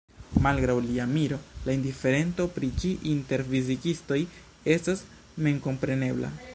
Malgraŭ lia miro, la indiferento pri ĝi inter fizikistoj estas memkomprenebla.